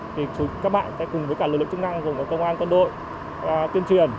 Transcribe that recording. thì các bạn cùng với cả lưu lực chức năng gồm cả công an con đội tuyên truyền